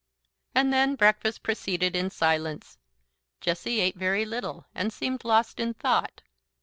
And then breakfast proceeded in silence. Jessie ate very little, and seemed lost in thought.